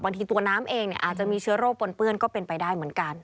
ตัวน้ำเองอาจจะมีเชื้อโรคปนเปื้อนก็เป็นไปได้เหมือนกัน